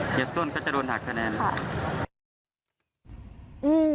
เหยียบส้นก็จะโดนหักคะแนนครับ